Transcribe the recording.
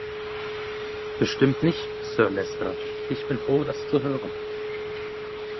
„Bestimmt nicht, Sir Leicester,“ „Ich bin froh, das zu hören.“